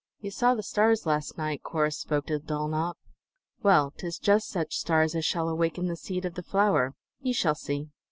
"Ye saw the stars last night?" Corrus spoke to Dulnop. "Well,'tis just such stars as shall awaken the seed of the flower. Ye shall see!"